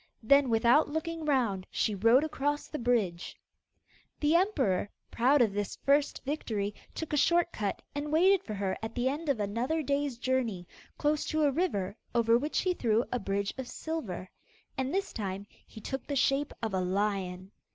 Then without looking round, she rode across the bridge. The emperor, proud of this first victory, took a short cut, and waited for her at the end of another day's journey, close to a river, over which he threw a bridge of silver. And this time he took the shape of a lion.